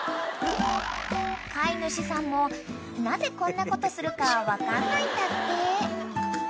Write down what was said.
［飼い主さんもなぜこんなことするか分かんないんだって］